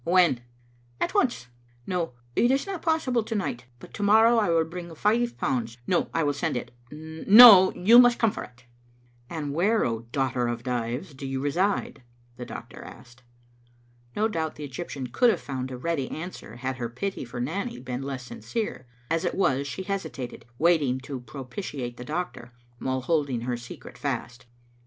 "When?" "At once. No, it is not possible to night, but to morrow I will bring five pounds; no, I will send it; no, you must come for it. " "And where, O daughter of Dives, do you reside?" the doctor asked. No doubt the Eg3rptian could have found a ready an swer had her pity for Nanny been less sinjcere ; as it was, she hesitated, wanting to propitiate the doctor, while holding her secret fast.